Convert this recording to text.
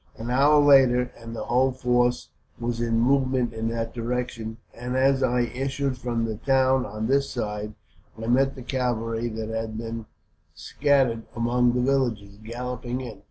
An hour later, and the whole force was in movement in that direction; and as I issued from the town on this side, I met the cavalry that had been scattered among the villages, galloping in.